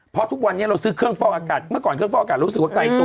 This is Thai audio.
เพราะทุกวันนี้เราซื้อเครื่องฟอกอากาศเมื่อก่อนเครื่องฟอกอากาศรู้สึกว่าไกลตัว